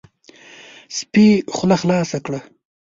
سپي خوله خلاصه کړه،